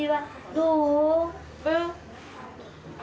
どう？